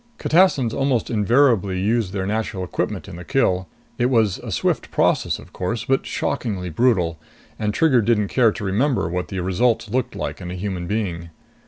Catassins almost invariably used their natural equipment in the kill; it was a swift process, of course, but shockingly brutal, and Trigger didn't care to remember what the results looked like in a human being.